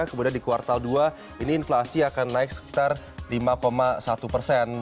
kemudian di kuartal dua ini inflasi akan naik sekitar lima satu persen